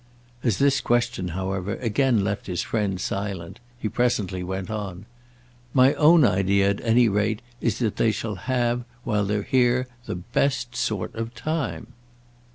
As this question, however, again left his friend silent he presently went on: "My own idea at any rate is that they shall have while they're here the best sort of time."